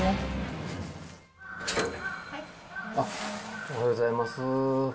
おはようございます。